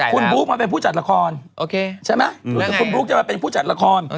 คุณบลูกมาเป็นผู้จัดราคอนคุณบลูกมาเป็นผู้จัดราคอน